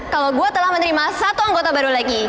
kalau gue telah menerima satu anggota baru lagi